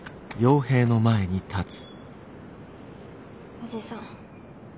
おじさん。